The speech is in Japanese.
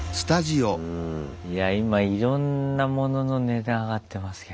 うんいや今いろんなものの値段上がってますけどね。